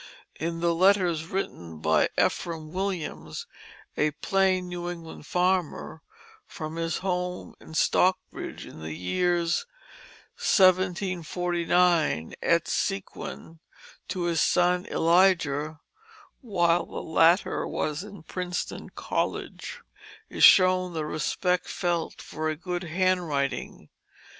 In the letters written by Ephraim Williams, a plain New England farmer, from his home in Stockbridge in the years 1749 et seq. to his son Elijah, while the latter was in Princeton College, is shown the respect felt for a good handwriting.